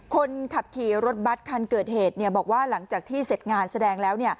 คนขับขี่รถบัตรคันเกิดเหตุบอกว่าหลังจากที่เสร็จงานแสดงแล้ว